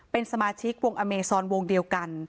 เป็นสมาชิกวงอเมซอนวงเดียวกัน